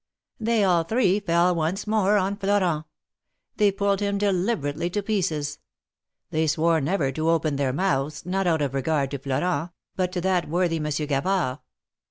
They all three fell once more on Florent. They pulled him deliberately to pieces. They swore never to open their mouths, not out of regard to Florent, but to that worthy Monsieur Gavard.